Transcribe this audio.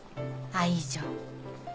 愛情？